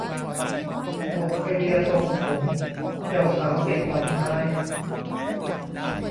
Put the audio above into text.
หก ไอเดียทรงผมเจ้าสาวติดดอกไม้